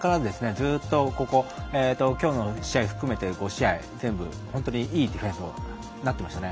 ずっとここきょうの試合含めて５試合全部本当にいいディフェンスになっていましたね。